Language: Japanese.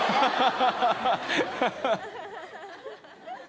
ハハハハハ。